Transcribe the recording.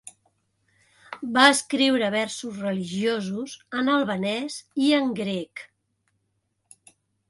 Va escriure versos religiosos en albanès i en grec.